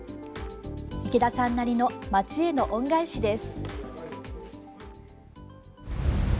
池田さんなりの町への恩返しです。